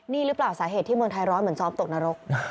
นี่หรือเปล่าสาเหตุที่เมืองไทยร้อนเหมือนซ้อมตกนรก